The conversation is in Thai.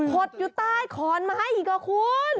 ดอยู่ใต้ขอนไม้อีกอ่ะคุณ